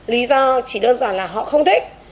lý do chỉ đơn giản là họ không thích